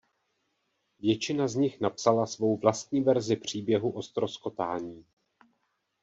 Většina z nich napsala svou vlastní verzi příběhu o ztroskotání.